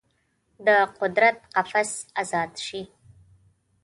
د قدرت قفس ازاد شي